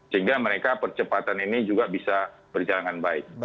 sehingga mereka percepatan ini juga bisa berjalanan baik